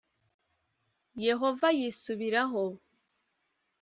Yehova yisubiraho